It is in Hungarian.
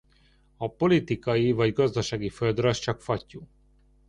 A politikai vagy gazdasági földrajz csak fattyú.